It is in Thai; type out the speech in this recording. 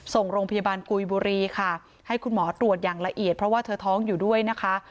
ส่งโรงพยาบาลกุยบุรีค่ะให้คุณหมอตรวจอย่างละเอียดเพราะว่าเธอท้องอยู่ด้วยนะคะ